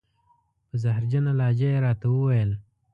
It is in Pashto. په زهرجنه لهجه یې را ته و ویل: